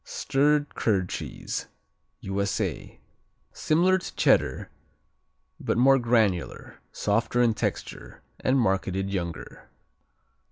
Stirred curd cheese U.S.A. Similar to Cheddar, but more granular, softer in texture and marketed younger.